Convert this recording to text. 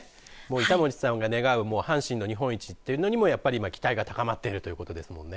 板持さんが願う阪神の日本一というのにも期待が高まっていますよね。